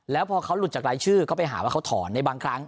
แล้วพอเขาหลุดจากรายชื่อก็ไปหาว่าเขาถอนในบางครั้ง